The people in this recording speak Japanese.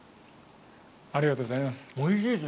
ありがとうございます。